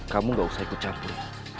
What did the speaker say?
kamu tidak usah ikut catur